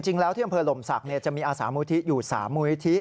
จริงแล้วที่อำเภอหลมศักดิ์จะมีอาสามูลที่อยู่๓มูลนิธิ